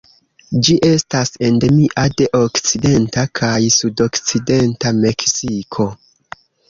Ĝi estas endemia de okcidenta kaj sudokcidenta Meksiko.